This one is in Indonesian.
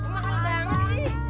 aku makan banyak sih